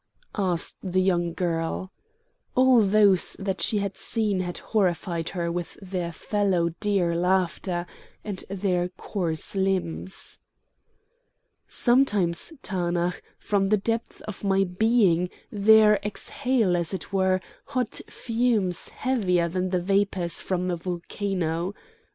asked the young girl. All those that she had seen had horrified her with their fallow deer laughter and their coarse limbs. "Sometimes, Tanaach, from the depths of my being there exhale as it were hot fumes heavier than the vapours from a volcano.